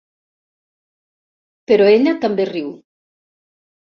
Però ella també riu.